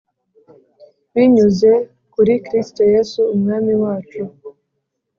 binyuze kuri Kristo Yesu Umwami wacu